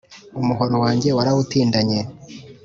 Umuhoro wanjye warawutindanye,